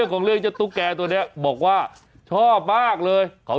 โอ้โฮปวดเจ้าโอ้โฮปวดเจ้า